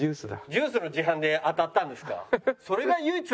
ジュースの自販で当たったんですか？